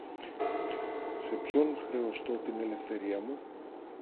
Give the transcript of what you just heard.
Σε ποιον χρεωστώ την ελευθερία μου;